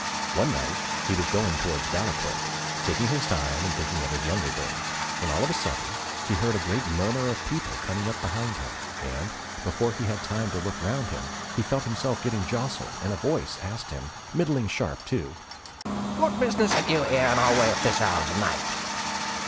One night he was going towards Ballaquirk, taking his time and thinking of his younger days, when all of a sudden he heard a great murmur of people coming up behind him, and, before he had time to look round him, he felt himself getting jostled and a voice asked him middling sharp, too: 'What business have you here in our way at this hour of the night?'